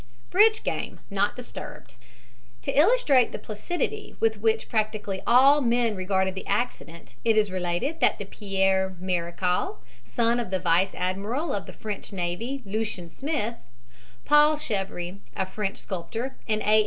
BRIDGE GAME NOT DISTURBED To illustrate the placidity with which practically all the men regarded the accident it is related that Pierre Marechal, son of the vice admiral of the French navy, Lucien Smith, Paul Chevre, a French sculptor, and A.